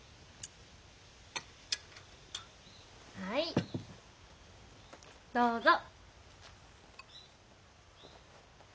はいどうぞ。